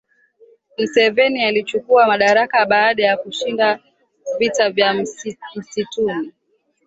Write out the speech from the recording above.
mseveni alichukua madaraka baada ya kushinda vita vya msituni